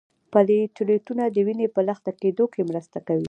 پلیټلیټونه د وینې په لخته کیدو کې مرسته کوي